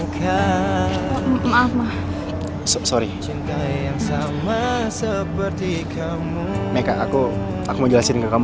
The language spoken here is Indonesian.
kalau kemarin itu aku mau jelasin ke kamu